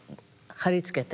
貼り付けて。